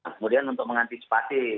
kemudian untuk mengantisipasi